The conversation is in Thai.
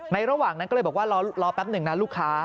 ระหว่างนั้นก็เลยบอกว่ารอแป๊บหนึ่งนะลูกค้า